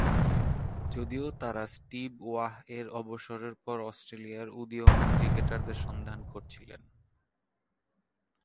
যদিও তারা Steve Waugh এর অবসরের পরে অস্ট্রেলিয়ার উদীয়মান ক্রিকেটারদের সন্ধানে করছিলেন।